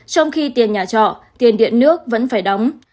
trong khi tiền nhà trọ tiền điện nước vẫn phải đóng